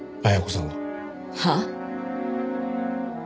はあ？